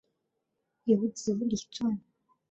有子李撰。